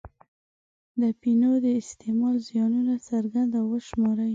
د اپینو د استعمال زیانونه څرګند او وشماري.